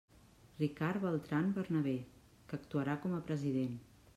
Ricard Beltran Bernabé, que actuarà com a president.